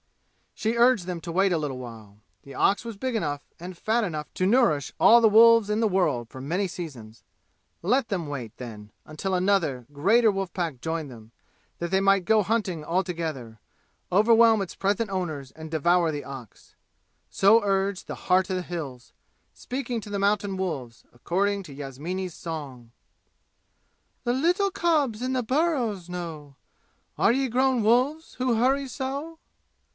She urged them to wait a little while. The ox was big enough and fat enough to nourish all the wolves in the world for many seasons. Let them wait, then, until another, greater wolf pack joined them, that they might go hunting all together, overwhelm its present owners and devour the ox! So urged the "Heart of the Hills," speaking to the mountain wolves, according to Yasmini's song. "The little cubs in the burrows know. Are ye grown wolves, who hurry so?"